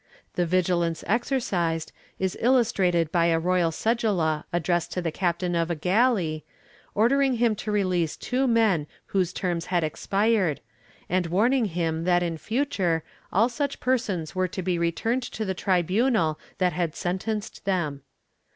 The vigilance exercised is illustrated by a royal cedula addressed to the captain of a galley, ordering him to release two men whose terms had expired, and warning him that in future all such persons were to be returned to the tribunal that had sentenced them.'